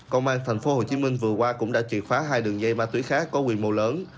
công an thành phố hồ chí minh vừa qua cũng đã triệt phá hai đường dây ma túy khác có quyền mô lớn